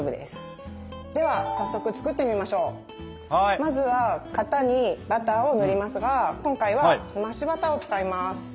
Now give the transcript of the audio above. まずは型にバターを塗りますが今回は「澄ましバター」を使います。